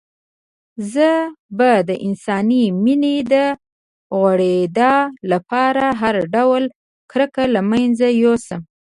زه به د انساني مينې د غوړېدا لپاره هر ډول کرکه له منځه يوسم.